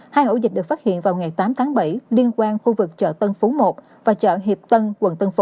hai ổ dịch được phát hiện vào ngày tám tháng bảy liên quan khu vực chợ tân phú một và chợ hiệp tân quận tân phú